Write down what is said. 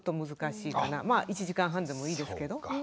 まあ１時間半でもいいですけど。